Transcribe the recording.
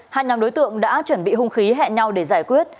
hai nhóm đối tượng đã chuẩn bị hung khí hẹn nhau để giải quyết